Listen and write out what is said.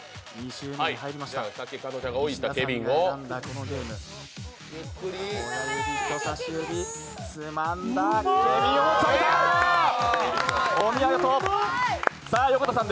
２周目に入りました石田さん